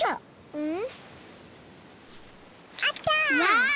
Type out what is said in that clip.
うん？